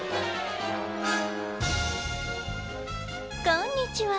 こんにちは。